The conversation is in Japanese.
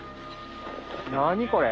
何これ。